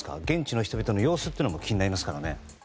現地の人々の様子も気になりますからね。